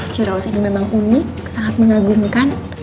ciraus ini memang unik sangat mengagumkan